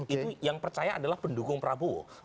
itu yang percaya adalah pendukung prabowo